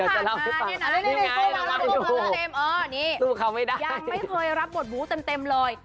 ก็พาตรมาเนี่ยก็ยังไม่เคยรับบทบูธเต็มเลย